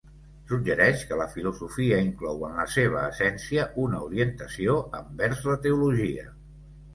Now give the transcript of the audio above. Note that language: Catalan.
Suggereix que la filosofia inclou, en la seva essència, una orientació envers la teologia.